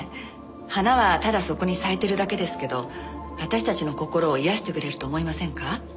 花はただそこに咲いてるだけですけど私たちの心を癒やしてくれると思いませんか？